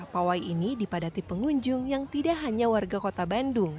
pawai ini dipadati pengunjung yang tidak hanya warga kota bandung